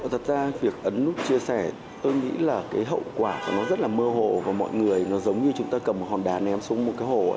thật ra việc ấn nút chia sẻ tôi nghĩ là cái hậu quả của nó rất là mơ hồ và mọi người nó giống như chúng ta cầm một hòn đá ném xuống một cái hồ